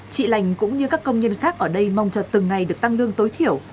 chị lành cũng như các công nhân khác ở đây mong cho từng ngày được tăng lương tối thiểu